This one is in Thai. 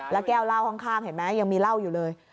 และแก้วเล่าข้างเห็นมั้ยยังมีเวลาอยู่เลย